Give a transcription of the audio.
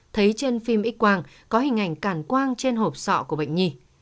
thấy trên phim ít quang có hình ảnh cản quang trên hộp sọ của bệnh nhi